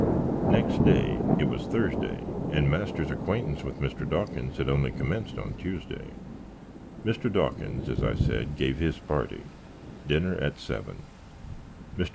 Nex day (it was Thursday, and master's acquaintance with Mr. Dawkins had only commenced on Tuesday), Mr. Dawkins, as I said, gev his party, dinner at 7. Mr.